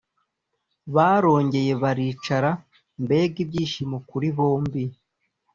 barongeye baricara mbega ibyishimo kuri bombi,